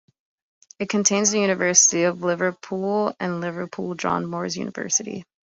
It contains the University of Liverpool and Liverpool John Moores University.